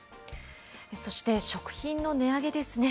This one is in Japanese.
そして食品の値上げですね。